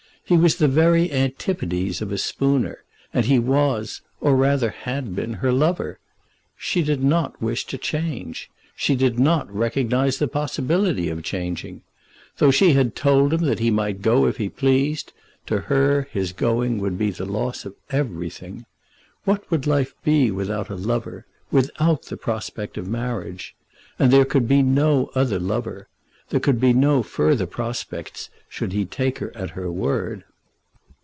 He was the very antipodes of a Spooner, and he was, or rather had been, her lover. She did not wish to change. She did not recognise the possibility of changing. Though she had told him that he might go if he pleased, to her his going would be the loss of everything. What would life be without a lover, without the prospect of marriage? And there could be no other lover. There could be no further prospect should he take her at her word.